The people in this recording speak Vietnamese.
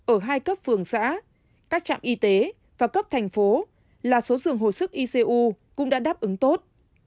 ở hai cấp phường xã các trạm y tế và cấp thành phố là số dường hồi sức icu cũng đã đáp ứng tốt